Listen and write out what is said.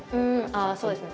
ああそうですね